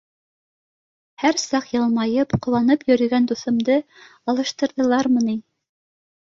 Һәр саҡ йылмайып, ҡыуанып йөрөгән дуҫымды алыштырҙылармы ни!